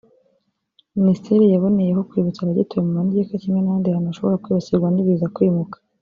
Minisiteri yaboneyeho kwibutsa abagituye mu manegeka kimwe n’ahandi hantu hashobora kwibasirwa n’ibiza kwimuka